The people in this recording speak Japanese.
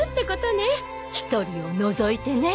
１人を除いてね。